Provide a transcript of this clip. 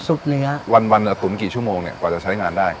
เนื้อวันวันอ่ะตุ๋นกี่ชั่วโมงเนี่ยกว่าจะใช้งานได้